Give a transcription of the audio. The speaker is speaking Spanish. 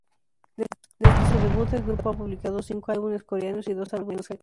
Desde su debut, el grupo ha publicado cinco álbumes coreanos y dos álbumes japoneses.